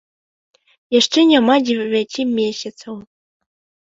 Яшчэ няма дзевяці месяцаў.